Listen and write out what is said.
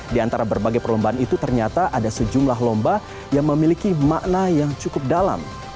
di antara berbagai perlombaan itu ternyata ada sejumlah lomba yang memiliki makna yang cukup dalam